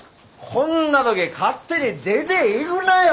こんな時勝手に出ていぐなよ！